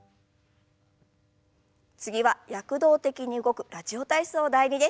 次は躍動的に動く「ラジオ体操第２」です。